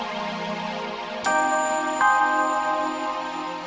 nanti gue akan cari cara buat nolong lo